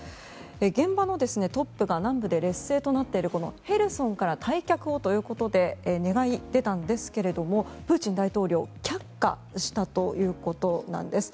現場のトップが南部で劣勢となっているヘルソンから退却をということで願い出たんですがプーチン大統領は却下したということなんです。